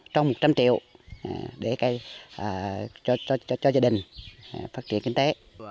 trong một trăm linh triệu để cho gia đình phát triển kinh tế